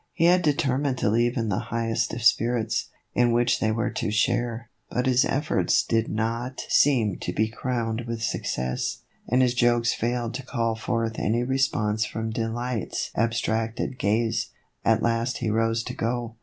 He had determined to leave in the highest of spirits, in which they were to share ; but his efforts did not 140 THE EVOLUTION OF A BONNET. seem to be crowned with success, and his jokes failed to call forth any response from Delight's abstracted gaze. At last he rose to go.